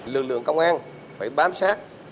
lực lượng công an phải bám sát